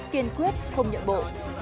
kiên quyết không nhận bộ